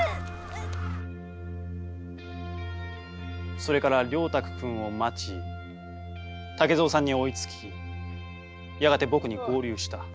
それから了沢君を待ち竹蔵さんに追いつきやがて僕に合流した。